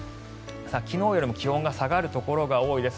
昨日よりも気温が下がるところが多いです。